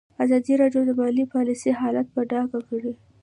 ازادي راډیو د مالي پالیسي حالت په ډاګه کړی.